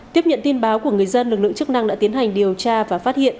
tiếp nhận tin báo của người dân lực lượng chức năng đã tiến hành điều tra và phát hiện